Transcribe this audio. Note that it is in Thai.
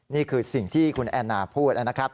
นี่คือสิ่งที่คุณแอนนาพูดนะครับ